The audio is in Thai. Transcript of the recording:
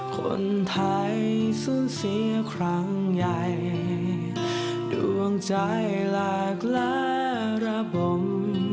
คนไทยสูญเสียครั้งใหญ่ดวงใจหลากและระบม